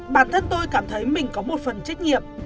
bản thân tôi cảm thấy mình có một phần trách nhiệm